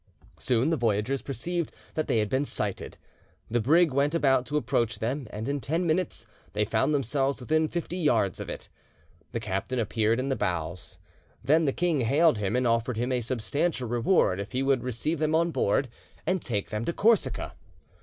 Soon the voyagers perceived that they had been sighted, the brig went about to approach them, and in ten minutes they found themselves within fifty yards of it. The captain appeared in the bows. Then the king hailed him and offered him a substantial reward if he would receive them on board and take them to Corsica.